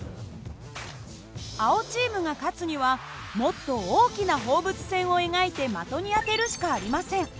青チームが勝つにはもっと大きな放物線を描いて的に当てるしかありません。